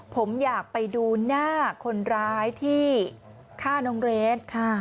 ผมอยากไปดูหน้าคนร้ายที่ฆ่าน้องเรท